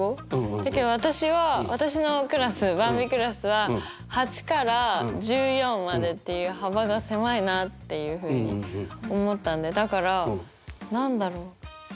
だけど私は私のクラスばんびクラスは８から１４までっていう幅が狭いなあっていうふうに思ったんでだから何だろう５から１５にたくさんいるってこと？